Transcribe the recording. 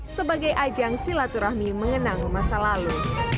sebagai ajang silaturahmi mengenang masa lalu